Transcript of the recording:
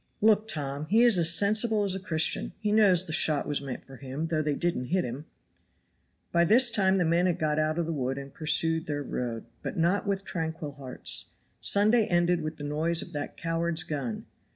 "Look, Tom, he is as sensible as a Christian. He knows the shot was meant for him, though they didn't hit him." By this time the men had got out of the wood, and pursued their road, but not with tranquil hearts. Sunday ended with the noise of that coward's gun.